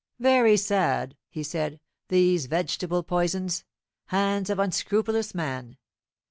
"Very sad!" he said; "these vegetable poisons hands of unscrupulous man.